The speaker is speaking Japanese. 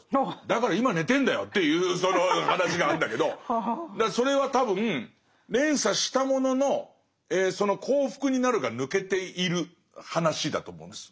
だから今寝てるんだよっていうその話があるんだけどそれは多分連鎖したもののその「幸福になる」が抜けている話だと思うんです。